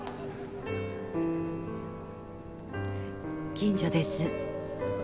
近所です。